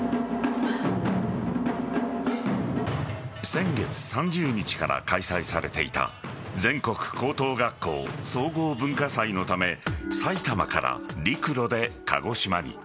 先月３０日から開催されていた全国高等学校総合文化祭のため埼玉から陸路で鹿児島に。